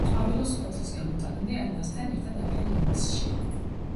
ყვავილობს ფოთლის გამოტანამდე ან მასთან ერთად აპრილ-ივნისში.